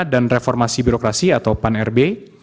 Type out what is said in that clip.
dan reformasi birokrasi atau pan rb